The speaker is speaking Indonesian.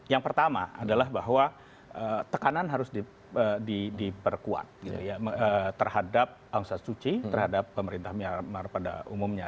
yang pertama adalah bahwa tekanan harus diperkuat terhadap angsa suci terhadap pemerintah myanmar pada umumnya